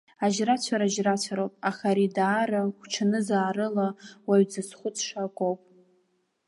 Ажьрацәарагьы жьрацәароуп, аха ари даара гәҽанызаарыла уаҩ дзызхәыцша акоуп.